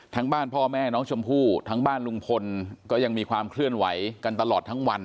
บ้านพ่อแม่น้องชมพู่ทั้งบ้านลุงพลก็ยังมีความเคลื่อนไหวกันตลอดทั้งวัน